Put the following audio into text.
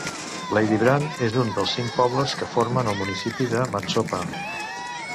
Ladybrand és un dels cinc pobles que formen el municipi de Mantsopa.